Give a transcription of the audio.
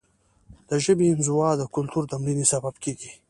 د ژبې انزوا د کلتور د مړینې سبب کیږي.